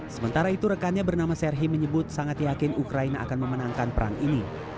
sementara itu rekannya bernama serhi menyebut sangat yakin ukraina akan memenangkan perang ini